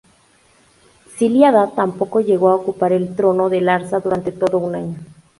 Silli-Adad tampoco llegó a ocupar el trono de Larsa durante todo un año.